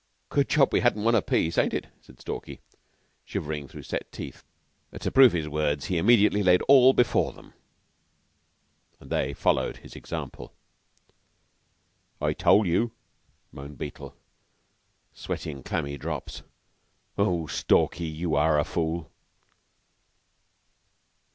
"Good job we hadn't one apiece, ain't it?" said Stalky, shivering through set teeth. To prove his words he immediately laid all before them, and they followed his example... "I told you," moaned Beetle, sweating clammy drops. "Oh, Stalky, you are a fool!"